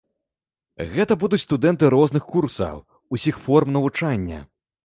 Гэта будуць студэнты розных курсаў, усіх форм навучання.